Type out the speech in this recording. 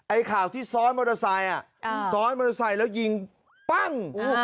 ข่าวที่ซ้อนมอเตอร์ไซค์ซ้อนมอเตอร์ไซค์แล้วยิงปั้ง